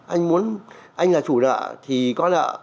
anh muốn anh là chủ nợ thì có nợ